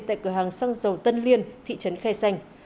tại cửa hàng xăng dầu tân liên thị trấn khe xanh